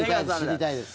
知りたいです。